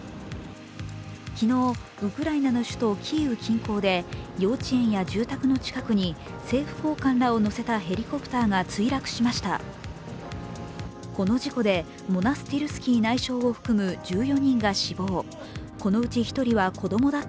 昨日、ウクライナの首都キーウ近郊で幼稚園や住宅の近くに政府高官らを乗せたヘリコプターが墜落しました。